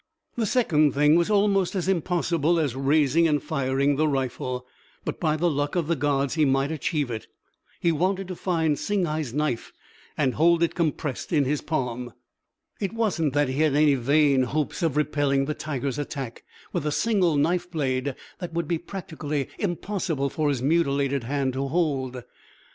The second thing was almost as impossible as raising and firing the rifle; but by the luck of the gods he might achieve it. He wanted to find Singhai's knife and hold it compressed in his palm. It wasn't that he had any vain hopes of repelling the tiger's attack with a single knife blade that would be practically impossible for his mutilated hand to hold.